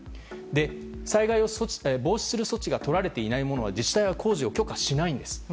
災害を防止する措置がとられていないものは自治体は工事を許可しないんです。